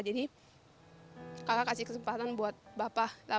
jadi kakak kasih kesempatan buat bapak